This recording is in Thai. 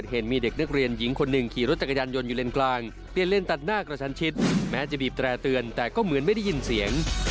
เด็กนักเรียนหญิงชั้นหมอสามเสียชีวิตขาดที่